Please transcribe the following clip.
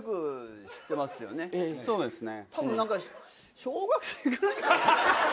そうですね。